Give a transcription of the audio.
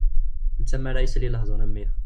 Netta mi ara isel i lehdur am wi.